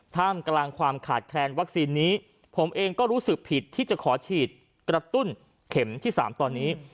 ท่ามกลางความขาดแคลนวัคซีนนี้ผมเองก็รู้สึกผิดที่จะขอฉีดกระตุ้นเข็มที่๓ตอนนี้